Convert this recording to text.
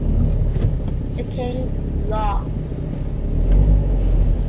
The king lost.